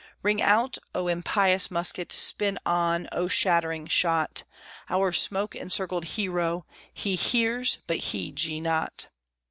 Ring out, O impious musket! spin on, O shattering shot, Our smoke encircled hero, he hears but heeds ye not!